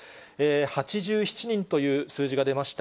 ８７人という数字が出ました。